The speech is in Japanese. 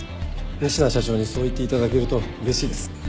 仁科社長にそう言っていただけるとうれしいです。